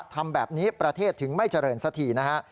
ทำแบบนี้ประเทศถึงไม่เจริญสักทีนะฮะ